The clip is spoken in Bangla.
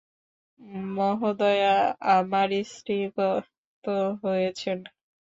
মহোদয়া, আমার স্ত্রী গত হয়েছেন।